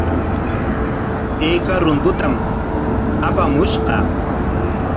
¿Ayka runtutam apamushqa?